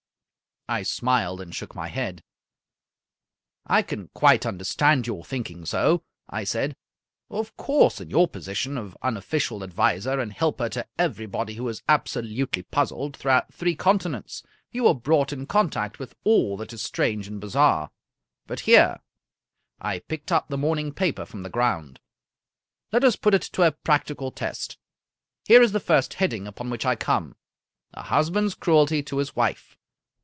I smiled and shook my head. " I can quite understand your thinking so," I said. "Of course, in your position of unofficial adviser and helper to everybody who is abso lutely puzzled, throughout three continents, you are brought in contact with all that is strange and bizarre. But here " 42 A. Conan Doyle — I picked up the morning paper from the ground — ^''let us put it to a practical test. Here is the first heading upon which I come. ' A husband's cruelty to his wife.'